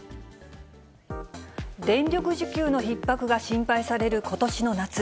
電力需給のひっ迫が心配されることしの夏。